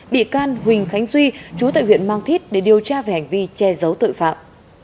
bị can huỳnh khánh duy chú tại huyện mang thít để điều tra về hành vi che giấu tội phạm